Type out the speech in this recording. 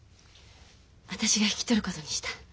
私が引き取ることにした。